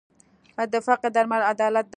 د فقر درمل عدالت دی.